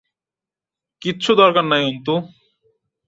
কিচ্ছু দরকার নেই অন্তু।